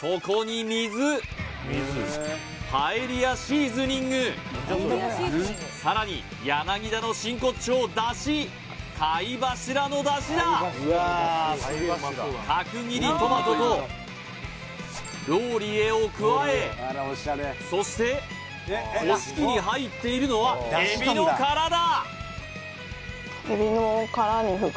そこに水パエリアシーズニングさらに田の真骨頂出汁貝柱の出汁だ角切りトマトとローリエを加えそしてこし器に入っているのはエビの殻だ